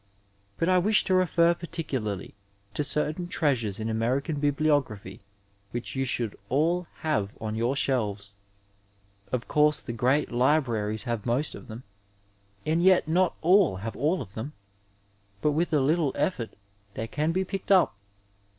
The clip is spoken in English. But I wish to refer particularly to certain treasures in American bibliography which you should all have on your shelves.; Of course the great libraries have most of them, and yet not all have all of them, but with a little effort they can be picked up.